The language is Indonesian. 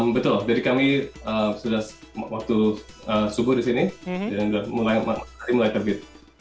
betul jadi kami sudah waktu subuh di sini dan mulai terbit